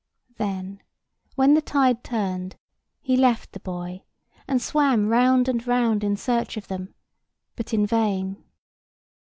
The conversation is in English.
Then when the tide turned, he left the buoy, and swam round and round in search of them: but in vain.